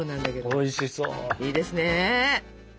いいですね。